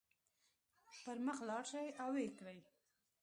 پر مخ لاړ شئ او ويې کړئ.